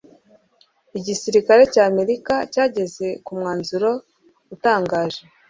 igisirikare cy'Amerika cyageze ku mwanzuro utangaje